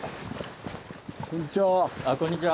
こんにちは。